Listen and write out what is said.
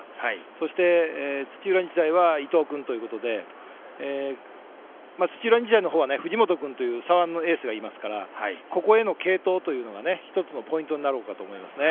そして、土浦日大は伊藤君ということで土浦日大のほうは藤本君という左腕のエースがいますからここへの継投というのが１つのポイントになろうかと思いますね。